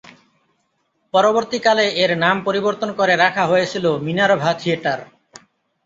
পরবর্তীকালে এর নাম পরিবর্তন করে রাখা হয়েছিল মিনার্ভা থিয়েটার।